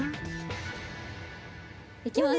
いきます。